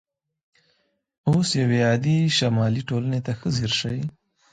اوس یوې عادي شمالي ټولنې ته ښه ځیر شئ